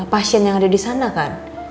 pasien yang ada di sana kan